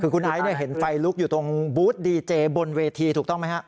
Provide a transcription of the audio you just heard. คือคุณไอซ์เห็นไฟลุกอยู่ตรงบูธดีเจบนเวทีถูกต้องไหมฮะ